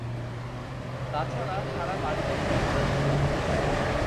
তাছাড়া সারা বাড়িতে প্রিন্ট আছে।